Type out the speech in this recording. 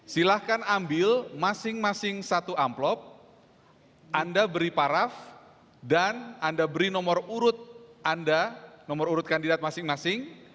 silahkan ambil masing masing satu amplop anda beri paraf dan anda beri nomor urut anda nomor urut kandidat masing masing